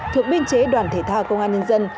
thuộc biên chế đoàn thể thao công an nhân dân